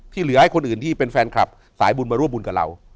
เหลือให้คนอื่นที่เป็นแฟนคลับสายบุญมาร่วมบุญกับเรา